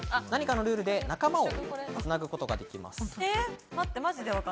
何かのルールで仲間をつなぐことができます。